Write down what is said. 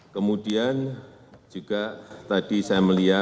kemudian juga tadi saya melihat